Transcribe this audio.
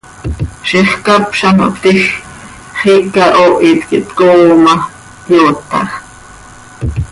Ziix ccap z ano hptiij, xiica hoohit quih tcooo ma, hyootajc.